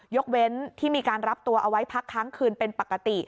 ยกเว้นที่มีการรับตัวเอาไว้พักค้างคืนเป็นปกติ